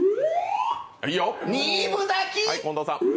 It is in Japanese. ２分咲き！